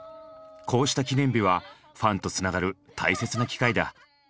こうした記念日はファンとつながる大切な機会だ。